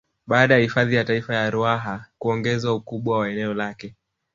Baada ya hifadhi ya Taifa ya Ruaha kuongezwa ukubwa wa eneo lake